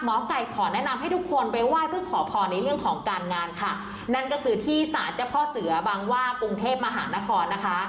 หมอไก่ขอแนะนำให้ทุกคนไปไหว้เพื่อขอพรในเรื่องของการงานค่ะนั่นก็คือที่สารเจ้าพ่อเสือบางว่ากรุงเทพมหานครนะคะ